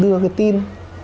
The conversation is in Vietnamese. đưa cái tin